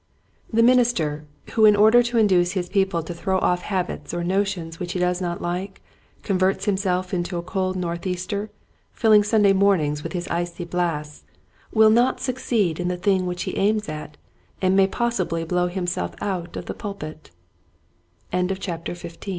The minister who in order to induce his people to throw off habits or notions which he does not like, converts himself into a cold North Easter, filling Sunday mornings with his icy blasts, will not suc ceed in the thing which he aims at and may possibly b